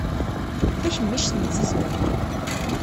Takemmict n tzizwa.